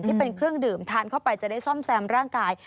ที่เป็นเครื่องดื่มทานเข้าไปจะได้ซ่อมแซมร่างกาย